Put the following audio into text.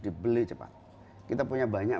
dibeli cepat kita punya banyak